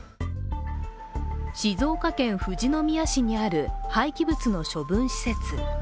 静岡県富士宮市にある廃棄物の処分施設。